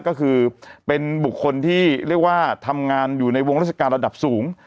ก็คือเป็นบุคคลที่เรียกว่าทำงานอยู่ในวงราชการระดับสูง